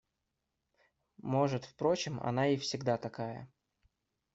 Может, впрочем, она и всегда такая.